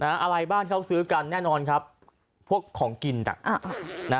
อะไรบ้านเขาซื้อกันแน่นอนครับพวกของกินอ่ะนะ